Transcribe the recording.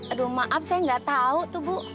aduh maaf saya nggak tahu tuh bu